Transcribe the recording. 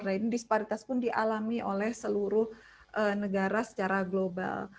nah ini disparitas pun dialami oleh seluruh negara secara global